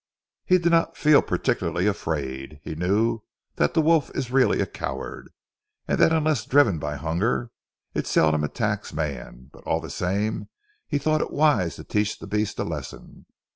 He did not feel particularly afraid. He knew that the wolf is really a coward, and that unless driven by hunger, it seldom attacks man, but all the same he thought it wise to teach the beast a lesson.